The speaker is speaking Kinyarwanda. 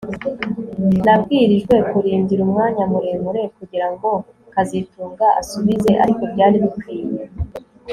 Nabwirijwe kurindira umwanya muremure kugirango kazitunga asubize ariko byari bikwiye